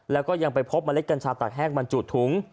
แล้วก็ยังไปพบเมล็ดกัญชาตากแห้งบรรจุถุง